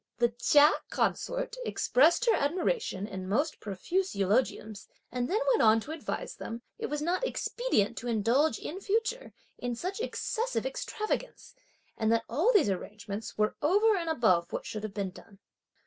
The Chia consort expressed her admiration in most profuse eulogiums, and then went on to advise them: "that it was not expedient to indulge in future in such excessive extravagance and that all these arrangements were over and above what should have been done."